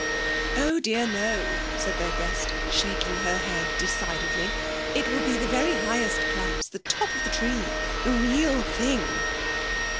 'Oh dear, no,' said their guest, shaking her head decidedly. 'It will be the very highest class, the top of the tree! The real thing!'